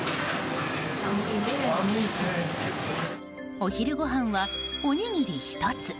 お昼ごはんは、おにぎり１つ。